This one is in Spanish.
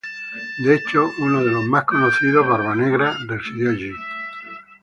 De hecho, uno de los más conocidos, Barbanegra residió allí.